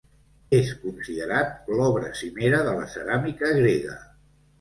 És considerat l'obra cimera de la ceràmica grega.